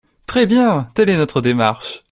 Très bien ! Telle est notre démarche.